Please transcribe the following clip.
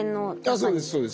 そうですそうです。